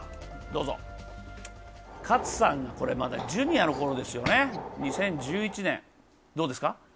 勝さんがまだジュニアのころですね、２０１１年、どうですか？